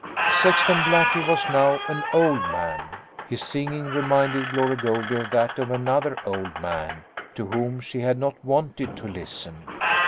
Sexton Blackie was now an old man. His singing reminded Glory Goldie of that of another old man, to whom she had not wanted to listen.